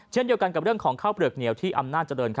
เช่นเดียวกันกับเรื่องของข้าวเปลือกเหนียวที่อำนาจเจริญ